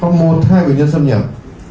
có một hai bệnh nhân xâm nhập